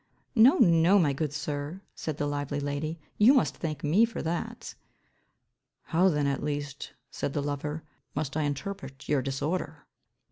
"No, no, my good sir," said the lively lady, "you must thank me for that". "How then at least," said the lover, "must I interpret your disorder?"